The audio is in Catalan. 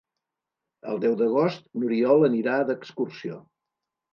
El deu d'agost n'Oriol anirà d'excursió.